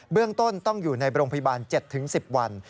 เรื่องต้นต้องอยู่ในโรงพยาบาล๗๑๐วัน